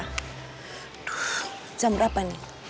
aduh jam berapa nih